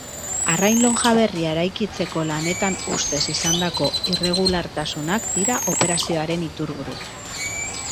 Arrain lonja berria eraikitzeko lanetan ustez izandako irregulartasunak dira operazioaren iturburu.